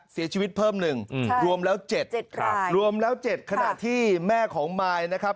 เสียชีวิตเพิ่มหนึ่งรวมแล้ว๗๗ครับรวมแล้ว๗ขณะที่แม่ของมายนะครับ